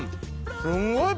すんごい